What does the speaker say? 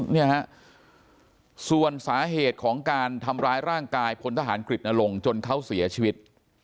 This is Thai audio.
เนี่ยฮะส่วนสาเหตุของการทำร้ายร่างกายพลทหารกฤตนลงจนเขาเสียชีวิต